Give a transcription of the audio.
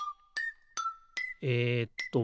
えっと